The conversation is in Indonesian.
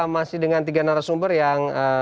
masih dengan tiga narasumber yang